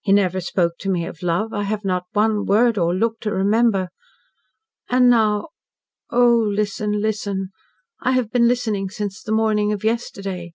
He never spoke to me of love. I have not one word or look to remember. And now Oh, listen listen! I have been listening since the morning of yesterday."